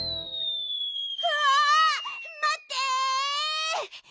わあまって！